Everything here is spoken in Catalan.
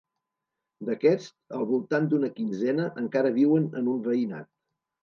D'aquests, al voltant d'una quinzena encara viuen en un veïnat.